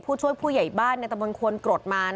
ผู้ช่วยผู้ใหญ่บ้านในตะบนควนกรดมา